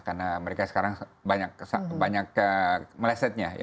karena mereka sekarang banyak melesetnya